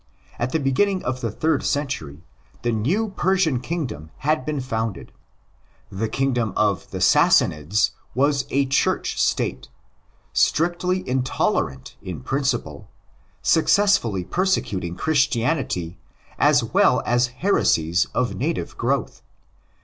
At the beginning of the third century the new Persian kingdom had been founded. The kingdom of the Sassanidse was a Church State, strictly intolerant in principle, successfully persecuting Chris tianity as well as heresies of native growth.